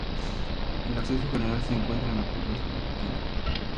El acceso general se encuentra en la Plaza San Martín.